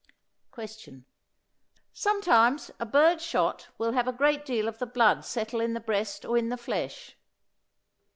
Question. Sometimes a bird shot will have a great deal of the blood settle in the breast or in the flesh.